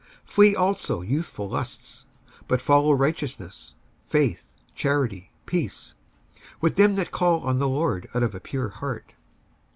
55:002:022 Flee also youthful lusts: but follow righteousness, faith, charity, peace, with them that call on the Lord out of a pure heart.